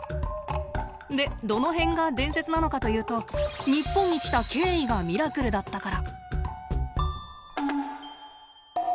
でどの辺が伝説なのかというと日本に来た経緯がミラクルだったから！